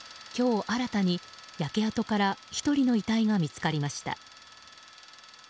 今日、新たに焼け跡から１人の遺体が見つかりました。